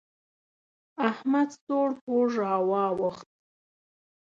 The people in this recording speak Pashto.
احمد سوړ پوړ را واوښت.